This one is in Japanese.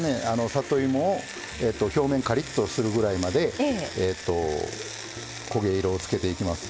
里芋を表面カリッとするぐらいまで焦げ色をつけていきます。